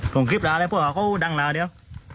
ส่งคลิปลาเลยพวกเขาดังลาเดี๋ยว